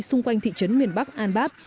xung quanh thị trấn miền bắc anbab